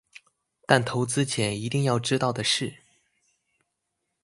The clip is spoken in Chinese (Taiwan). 但投資前一定要知道的事